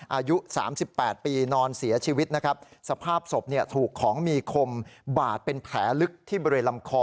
อายุสามสิบแปดปีนอนเสียชีวิตนะครับสภาพศพเนี่ยถูกของมีคมบาดเป็นแผลลึกที่บริเวณลำคอ